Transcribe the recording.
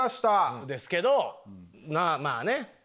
なんですけどまあまあねっ！